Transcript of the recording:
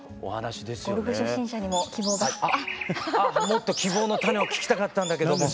もっと希望の種を聞きたかったんだけども。